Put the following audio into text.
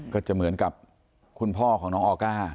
ก็จะเหมือนกับคุณพ่อของน้องออก้า